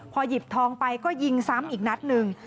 พอหยิบทองไปก็ยิงซ้ำอีกนัดหนึ่ง